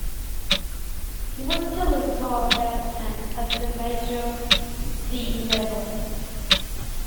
He was still a star batsman at the major league level.